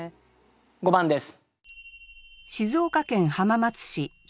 ５番です。